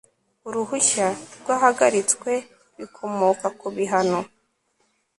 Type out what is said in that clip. uruhushya rwahagaritswe bikomoka ku bihano